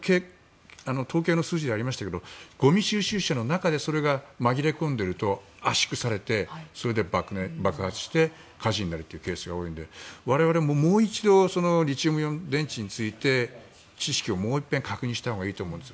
先ほど統計の数字でありましたがゴミ収集車の中でそれが紛れ込んでいると爆発して火事になるケースが多いので我々ももう一度リチウムイオン電池について知識を確認したほうがいいと思います。